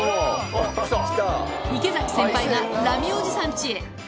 池崎先輩がラミおじさんちへ。